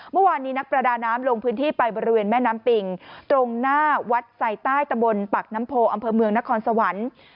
เมื่อวานนี้นักประดาน้ำลงพื้นที่ไปบริเวณแม่น้ำปิงตรงหน้าวัดไซใต้ตะบนปากน้ำโพอำเภอเมืองนครสวรรค์